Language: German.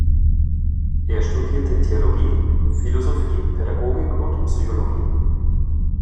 Er studierte Theologie, Philosophie, Pädagogik und Psychologie.